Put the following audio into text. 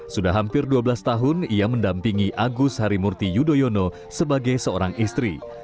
sudah hampir dua belas tahun ia mendampingi agus harimurti yudhoyono sebagai seorang istri